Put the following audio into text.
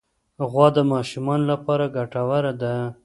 غوا د ماشومانو لپاره ګټوره ده.